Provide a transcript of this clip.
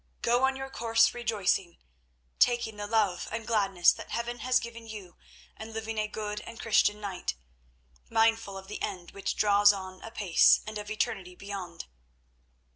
Go on your course rejoicing, taking the love and gladness that Heaven has given you and living a good and Christian knight, mindful of the end which draws on apace, and of eternity beyond."